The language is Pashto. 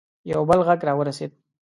یو بل غږ راورسېد.